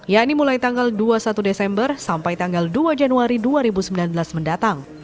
yakni mulai tanggal dua puluh satu desember sampai tanggal dua januari dua ribu sembilan belas mendatang